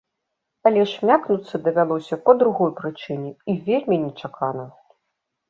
Але шмякнуцца давялося па другой прычыне і вельмі нечакана.